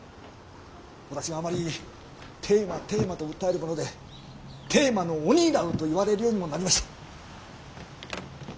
私があまり「テーマテーマ」と訴えるもので「テーマの鬼」などと言われるようにもなりました。